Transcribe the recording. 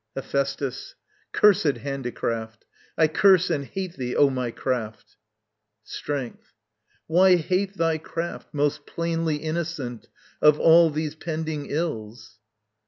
Hephæstus. Cursed handicraft! I curse and hate thee, O my craft! Strength. Why hate Thy craft most plainly innocent of all These pending ills?